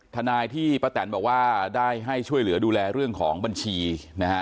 ทนายที่ป้าแตนบอกว่าได้ให้ช่วยเหลือดูแลเรื่องของบัญชีนะฮะ